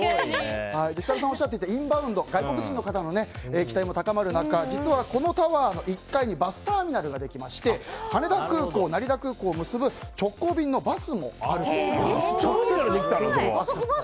設楽さんがおっしゃっていたインバウンド、外国人の方も期待も高まる中実はこのタワーの１階にバスターミナルができまして羽田空港、成田空港を結ぶ直行便のバスもあると。